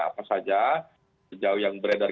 apa saja sejauh yang beredar